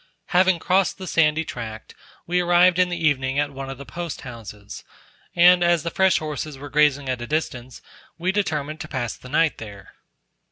Having crossed the sandy tract, we arrived in the evening at one of the post houses; and, as the fresh horses were grazing at a distance we determined to pass the night there.